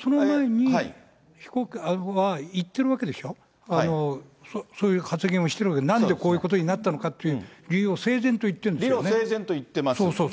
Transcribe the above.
その前に、被告は言ってるわけでしょ、そういう発言をしているわけでしょ、なんでこういうことになったのかっていう理由を理由を理路整然と理路整然と言っています。